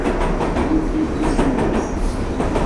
Entre Ijuís